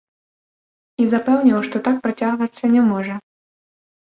І запэўніў, што так працягвацца не можа.